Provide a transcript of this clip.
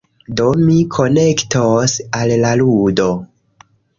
Do, mi konektos al la ludo...